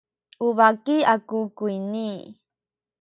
u baki aku kuyni.